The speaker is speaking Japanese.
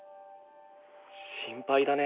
心配だね。